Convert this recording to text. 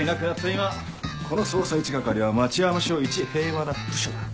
今この捜査一係は町山署いち平和な部署だ。